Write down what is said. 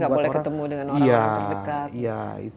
nggak boleh ketemu dengan orang orang terdekat